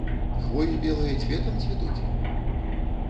Хвоі белыя цветам цвітуць?